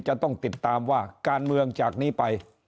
จะต้องติดตามว่าการเมืองจากนี้ไป